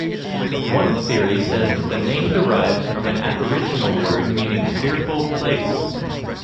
One theory says that the name derives from an Aboriginal word meaning "fearful place".